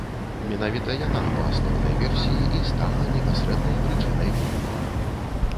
Менавіта яна, па асноўнай версіі, і стала непасрэднай прычынай выбуху.